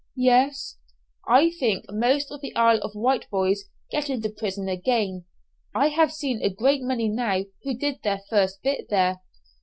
"Yes." "I think most of the Isle of Wight boys get into prison again? I have seen a great many now who did their first bit there."